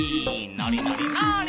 のりのりのぉり。